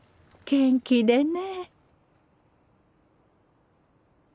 「元気でね」。